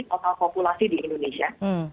total populasi di indonesia